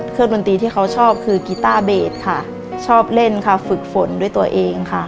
ดนตรีที่เขาชอบคือกีต้าเบสค่ะชอบเล่นค่ะฝึกฝนด้วยตัวเองค่ะ